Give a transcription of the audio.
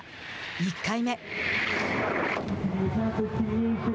１回目。